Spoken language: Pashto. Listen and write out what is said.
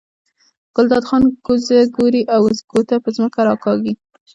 ګلداد خان کوز ګوري او ګوته په ځمکه راکاږي.